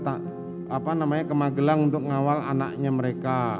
apa namanya ke megelang untuk mengawal anaknya mereka